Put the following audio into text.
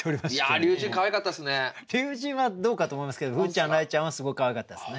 龍神はどうかと思いますけどふうちゃんらいちゃんはすごくかわいかったですね。